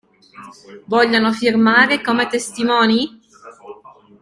Vogliono firmare come testimoni?